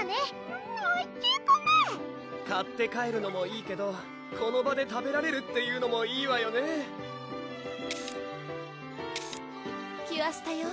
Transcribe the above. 買って帰るのもいいけどこの場で食べられるっていうのもいいわよねキュアスタ用？